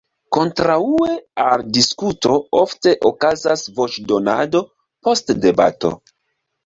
Kontraŭe al diskuto ofte okazas voĉdonado post debato.